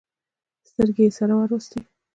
سترګې يې سره ور وستې.